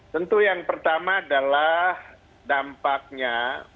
tentu yang pertama adalah dampaknya